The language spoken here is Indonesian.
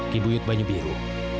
kibuyut banyu biru